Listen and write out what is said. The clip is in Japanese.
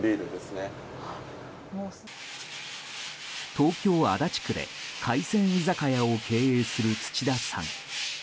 東京・足立区で海鮮居酒屋を経営する土田さん。